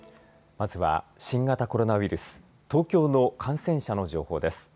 まずは、新型コロナウイルス、東京の感染者の情報です。